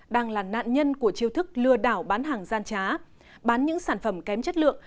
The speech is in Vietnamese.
đang là nạn nhân của chiêu thức lừa đảo bán hàng gian trá bán những sản phẩm kém chất lượng